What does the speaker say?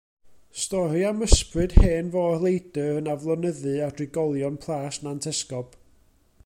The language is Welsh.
Stori am ysbryd hen fôr-leidr yn aflonyddu ar drigolion Plas Nant Esgob.